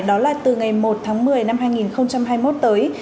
đó là từ ngày một tháng một mươi năm hai nghìn hai mươi một tới